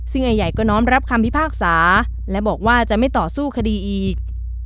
ซึ่งไอ้ใหญ่ก็น้อมรับคำพิพากษาและบอกว่าจะไม่ต่อสู้คดีอีก